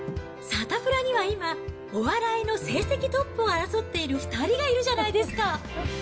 サタプラには今、お笑いの成績トップを争っている２人がいるじゃないですか。